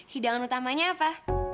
hidangan utamanya apa